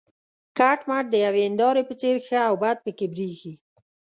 کټ مټ د یوې هینداره په څېر ښه او بد پکې برېښي.